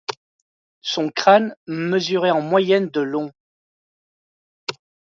Son crâne mesurait en moyenne de long.